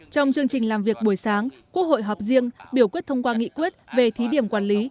trong chương trình làm việc buổi sáng quốc hội họp riêng biểu quyết thông qua nghị quyết về thí điểm quản lý